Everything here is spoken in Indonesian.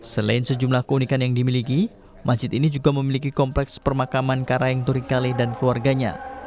selain sejumlah keunikan yang dimiliki masjid ini juga memiliki kompleks permakaman karaeng turikale dan keluarganya